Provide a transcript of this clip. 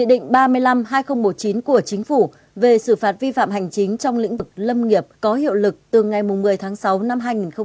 chính sách có hiệu lực từ ngày hai mươi năm tháng sáu năm hai nghìn một mươi chín của chính phủ về sự phạt vi phạm hành chính trong lĩnh vực lâm nghiệp có hiệu lực từ ngày một mươi tháng sáu năm hai nghìn một mươi chín